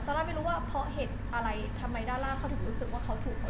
ล่าไม่รู้ว่าเพราะเหตุอะไรทำไมด้านล่างเขาถึงรู้สึกว่าเขาถูก